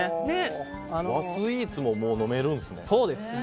和スイーツももう飲めるんですね。